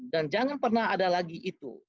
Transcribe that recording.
dan jangan pernah ada lagi itu